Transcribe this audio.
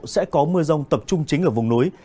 sẽ có mưa rông tập trung chính ở vùng núi